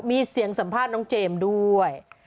มีเสียงสัมภาษณ์น้องเจมส์ด้วย